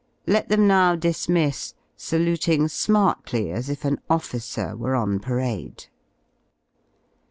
Let them now dismiss^ saluting smartly as if an officer were on parade.